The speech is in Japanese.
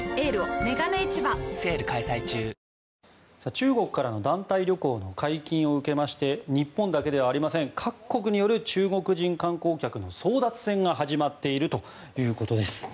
中国からの団体旅行の解禁を受けまして日本だけではありません各国による中国人観光客の争奪戦が始まっているということです。